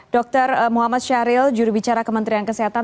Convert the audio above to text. dr muhammad syahril jurubicara kementerian kesehatan